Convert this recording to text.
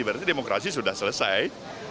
berarti demokrasi sudah selesai